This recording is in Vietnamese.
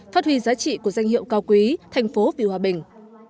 phát huy giá trị của danh hiệu cao quý thành phố vì hòa bình